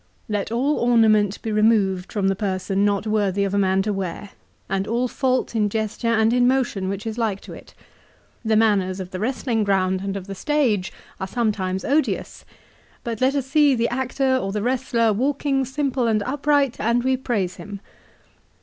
Let all ornament be removed from the person not worthy of a man to wear, and all fault in gesture and in motion which is like to it. The manners of the wrestling ground and of the stage are sometimes odious ; but let us see the actor or the wrestler walking simple and upright, and we praise him.